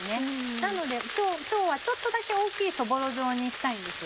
なので今日はちょっとだけ大きいそぼろ状にしたいんです。